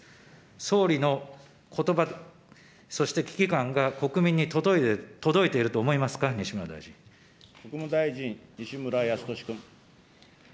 総理のことばとそして危機感が国民に届いていると思いますか、西国務大臣、西村康稔君。